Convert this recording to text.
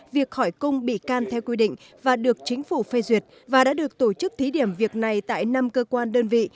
việc hỏi cung bị can theo quy định và được chính phủ phê duyệt và đã được tổ chức thí điểm việc này tại năm cơ quan đơn vị